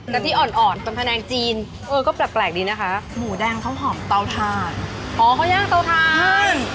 ที่อ่อนอ่อนแผนงจีนเออก็แปลกดีนะคะหมูแดงเขาหอมเตาทานอ๋อข้าวย่างเตาทาน